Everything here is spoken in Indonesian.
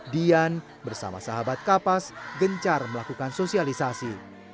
dian bersama sahabat kapas gencar melakukan sosialisasi